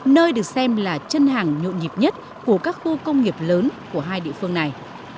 nơi được xem là chân hàng nhộn nhịp nhất của các khu công nghiệp lớn của hai địa phương này